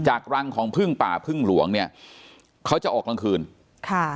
รังของพึ่งป่าพึ่งหลวงเนี่ยเขาจะออกกลางคืนค่ะ